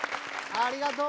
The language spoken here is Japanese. ありがとう！